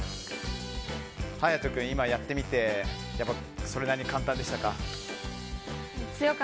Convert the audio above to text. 勇人君、今やってみてそれなりに簡単でしたか？